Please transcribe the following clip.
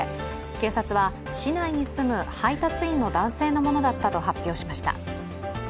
警察は市内に住む配達員の男性のものだったと発表しました。